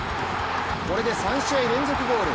これで３試合連続ゴール。